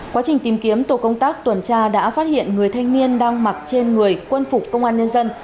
quá trình tìm kiếm tổ công tác tuần tra đã phát hiện người thanh niên đang mặc trên người quân phục công an nhân dân